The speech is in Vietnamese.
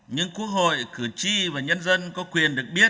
nhưng quốc hội cử tri và nhân dân có quyền được biến